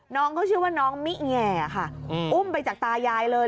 น้องเขาชื่อว่าน้องมิแง่ค่ะอุ้มไปจากตายายเลย